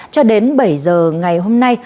cho đến bảy giờ ngày hôm nay